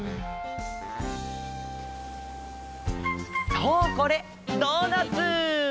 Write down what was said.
そうこれドーナツ！